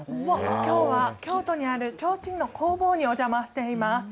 きょうは京都にあるちょうちんの工房にお邪魔しています。